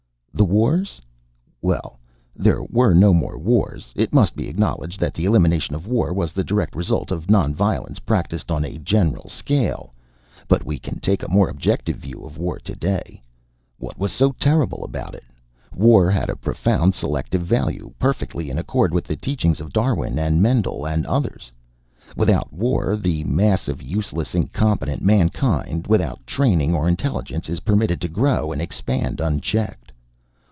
"The wars? Well, there were no more wars. It must be acknowledged that the elimination of war was the direct result of non violence practiced on a general scale. But we can take a more objective view of war today. What was so terrible about it? War had a profound selective value, perfectly in accord with the teachings of Darwin and Mendel and others. Without war the mass of useless, incompetent mankind, without training or intelligence, is permitted to grow and expand unchecked.